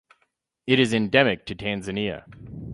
It is endemic to Tanzania.